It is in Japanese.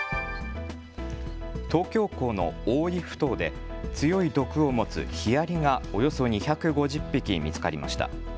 東京港の大井ふ頭で強い毒を持つヒアリがおよそ２５０匹見つかりました。